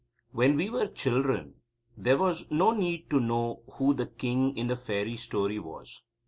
When we were children there was no need to know who the king in the fairy story was.